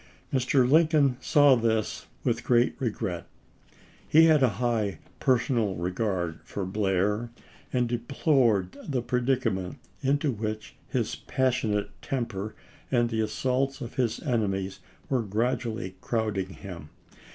Mr. Lincoln saw this with great regret. He had a high personal regard for Blair, and de plored the predicament into which his passionate temper and the assaults of his enemies were grad ually crowding him.